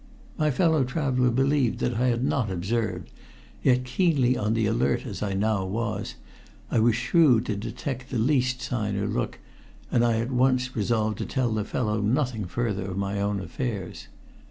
My fellow traveler believed that I had not observed, yet, keenly on the alert as I now was, I was shrewd to detect the least sign or look, and I at once resolved to tell the fellow nothing further of my own affairs.